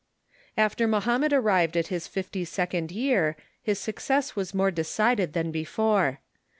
After Mohammed arrived at his fifty second year his suc cess was more decided than before.